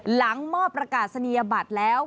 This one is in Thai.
หลังมอบประกาศนียบัตรแล้ว